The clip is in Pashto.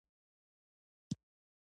دښمن د روح ارامي له منځه وړي